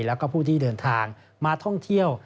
แล้วก็ผู้ที่เดินทางมาท่องเที่ยว